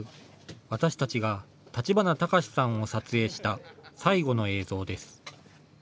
私たちが立花隆さんを撮影した最後の映像です。